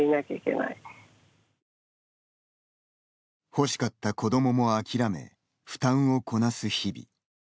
欲しかった子どももあきらめ負担をこなす日々。